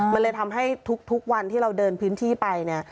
มันเลยทำให้ทุกวันที่เราเดินพิมพ์ที่ไป